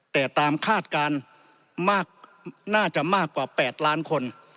แต่ตามคาดการณ์มากน่าจะมากกว่า๘ล้านคน